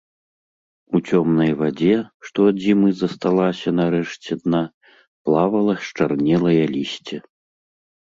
У цёмнай вадзе, што ад зімы засталася на рэшце дна, плавала счарнелае лісце.